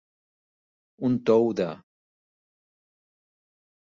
Un tou de.